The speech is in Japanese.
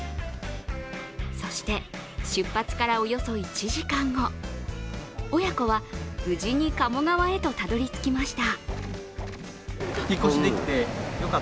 そして、出発からおよそ１時間後親子は無事に鴨川へとたどりつきました。